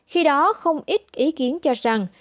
khi đó không ít ý kiến cho rằng